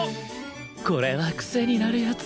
これはクセになるやつだ